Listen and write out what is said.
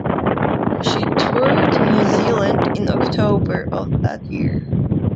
She toured New Zealand in October of that year.